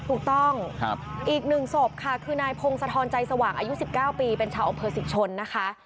ถูกต้องอีก๑ศพค่ะคือนายพงศธรใจสว่างอายุ๑๙ปีเป็นชาวอำเภอสิกชนนะคะ